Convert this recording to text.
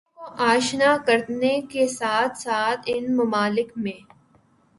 امیدواروں کو آشنا کرنے کے ساتھ ساتھ ان ممالک میں